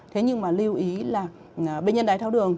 thế nhưng mà lưu ý là bệnh nhân đáy tháo đường